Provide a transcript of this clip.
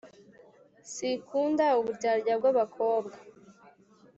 sikunda uburyarya bwabakobwa